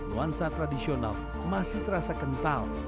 nuansa tradisional masih terasa kental